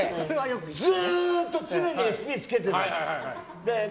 ずっと常にＳＰをつけてるの。